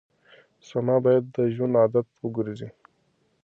سپما باید د ژوند عادت وګرځي.